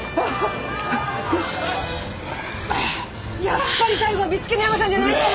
やっぱり最後は見つけのヤマさんじゃないと！